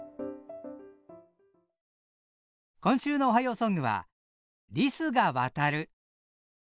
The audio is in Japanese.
今週の「おはようソング」は「リスがわたる」。